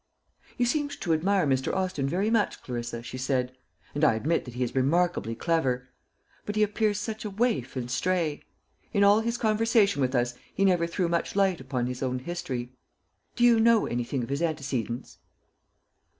"You seemed to admire Mr. Austin very much, Clarissa," she said, "and I admit that he is remarkably clever; but he appears such a waif and stray. In all his conversation with us he never threw much light upon his own history. Do you know anything of his antecedents?"